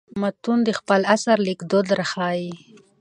متون د خپل عصر لیکدود راښيي.